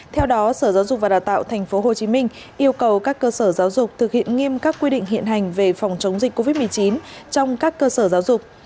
theo đó sở giáo dục và đào tạo tp hcm yêu cầu các cơ sở giáo dục thực hiện nghiêm các quy định hiện hành về phòng chống dịch covid một mươi chín trong các cơ sở giáo dục